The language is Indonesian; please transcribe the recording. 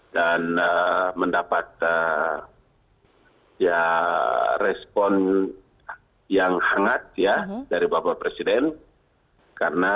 dan mendapat ya respon yang hangat ya dari bapak presiden